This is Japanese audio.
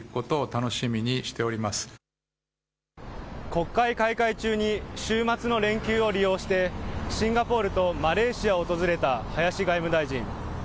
国会開会中に週末の連休を利用してシンガポールとマレーシアを訪れた林外務大臣。